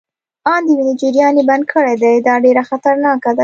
آن د وینې جریان يې بند کړی دی، دا ډیره خطرناکه ده.